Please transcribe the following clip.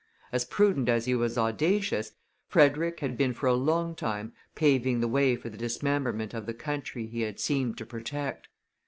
As prudent as he was audacious, Frederick had been for a long time paving the way for the dismemberment of the country he had seemed to protect.